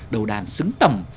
đầu đàn xứng tầm